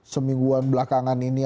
semingguan belakangan ini